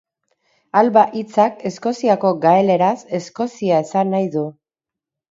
Alba hitzak Eskoziako gaeleraz Eskozia esan nahi du.